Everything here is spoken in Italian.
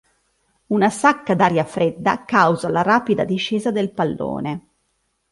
Una sacca d'aria fredda causa la rapida discesa del pallone.